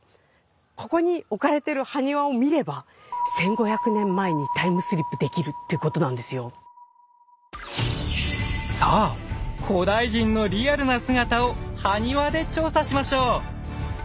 ここに置かれてる埴輪を見ればさあ古代人のリアルな姿を埴輪で調査しましょう！